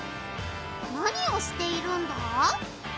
何をしているんだ？